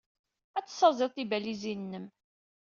Ad tessaẓyeḍ tibalizin-nnem.